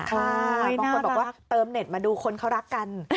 โอ้ยน่ารักบอกว่าเติมเน็ตมาดูคนเขารักกัน